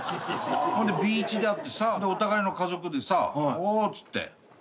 ほんでビーチで会ってさお互いの家族でさおっつって。